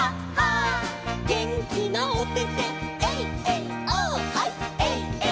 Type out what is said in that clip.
「げんきなおててエイエイオーッ」「ハイ」「」